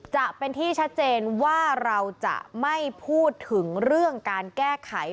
จะเป็นที่ชัดเจนว่าเราจะไม่พูดถึงเรื่องการแก้ไข